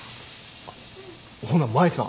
ほな舞さん